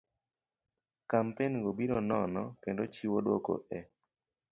Kampen go biro nono kendo chiwo dwoko e